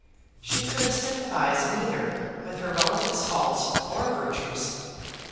She could sympathize neither with her relative's faults or virtues.